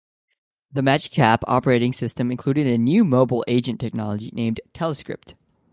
The Magic Cap operating system included a new "mobile agent" technology named Telescript.